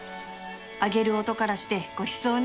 揚げる音からしてごちそうね